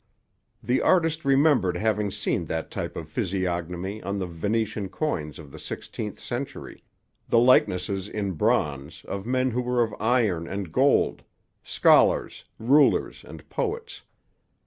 The artist remembered having seen that type of physiognomy on the Venetian coins of the sixteenth century, the likenesses in bronze, of men who were of iron and gold,—scholars, rulers, and poets.